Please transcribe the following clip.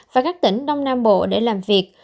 và các tỉnh đông nam bộ để làm việc